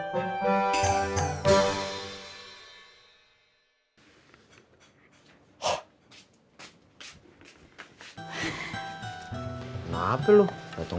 siapa yang ngeluh bang